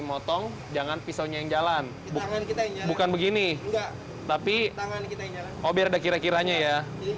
motong jangan pisaunya yang jalan bukan begini tapi tangan kita oh biar ada kira kiranya ya